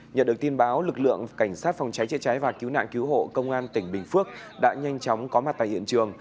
nhận được tin báo lực lượng cảnh sát phòng cháy chữa cháy và cứu nạn cứu hộ công an tỉnh bình phước đã nhanh chóng có mặt tại hiện trường